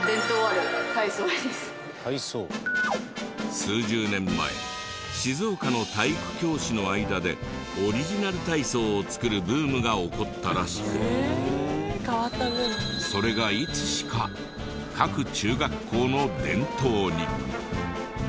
数十年前静岡の体育教師の間でオリジナル体操を作るブームが起こったらしくそれがいつしか各中学校の伝統に。